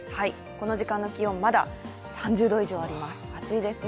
この時間の気温、まだ３０度以上あります。